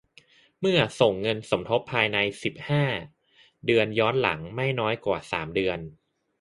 เมื่อส่งเงินสมทบภายใน สิบห้า เดือน ย้อนหลัง ไม่น้อยกว่า สาม เดือน